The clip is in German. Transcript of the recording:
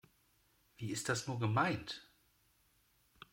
Wie ist das nur gemeint?